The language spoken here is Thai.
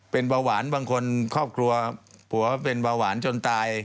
เป็นเบาหวานบางคนครอบครัวผัวเป็นเบาหวานจนตาย